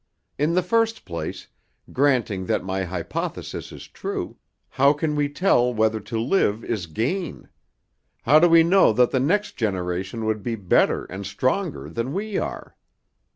In the first place, granting that my hypothesis is true, how can we tell whether to live is gain? How do we know that the next generation would be better and stronger than we are?